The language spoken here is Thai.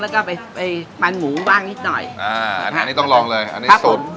แล้วก็ไปไปปันหมูบ้างนิดหน่อยอ่าอันนี้ต้องลองเลยอันนี้สด